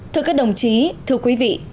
thưa các đồng chí thưa quý vị